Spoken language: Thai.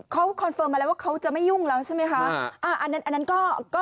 เขาคอนเฟิร์มมาแล้วว่าเขาจะไม่ยุ่งแล้วใช่ไหมฮะอ่าอันนั้นอันนั้นก็